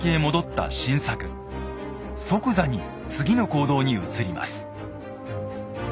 即座に次の行動に移ります。